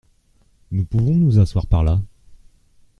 Nous pouvons nous asseoir par là ?